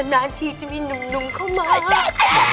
นานทีจะมีหนุ่มเข้ามาแล้ว